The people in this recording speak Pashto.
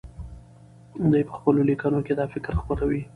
دی په خپلو لیکنو کې دا فکر خپروي.